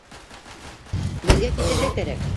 Беҙгә китергә кәрәк!